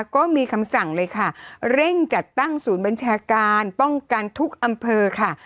ก็มีคำสั่งเลยค่ะเร่งจัดตั้งศูนย์บัญชาการป้องกันทุกอำเภอค่ะ